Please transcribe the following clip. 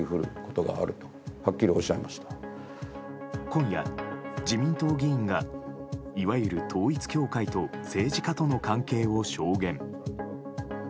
今夜、自民党議員がいわゆる統一教会と政治家との関係を証言。